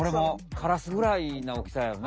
カラスぐらいなおおきさやな。